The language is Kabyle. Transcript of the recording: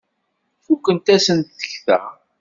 Fukent-asent tekta.